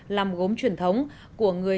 làm gốm truyền thống của người